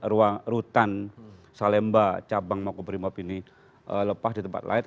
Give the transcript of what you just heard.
ruang rutan salemba cabang makobrimob ini lepas di tempat lain